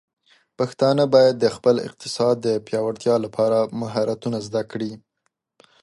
پښتانه بايد د خپل اقتصاد د پیاوړتیا لپاره مهارتونه زده کړي.